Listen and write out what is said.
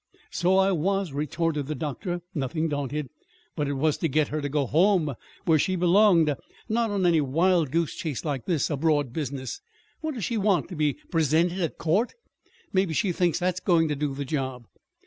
"So I was," retorted the doctor, nothing daunted. "But it was to get her to go home, where she belonged; not on any wild goose chase like this abroad business. What does she want? to be presented at court? Maybe she thinks that's going to do the job!"